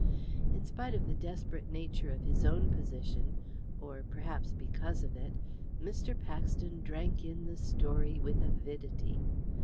In spite of the desperate nature of his own position or, perhaps, because of it Mr. Paxton drank in the story with avidity.